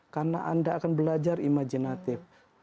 karena anda akan belajar imajinatif